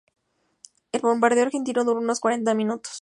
El bombardeo argentino duró unos cuarenta minutos.